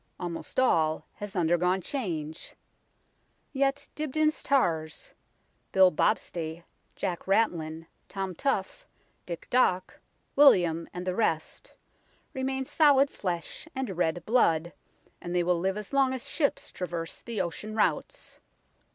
Almost all has under gone change. Yet Dibdin's tars Bill Bobstay, Jack Ratlin, Tom Tough, Dick Dock, William, and the rest remain solid flesh and red blood, and they will live as long as ships traverse the ocean routes.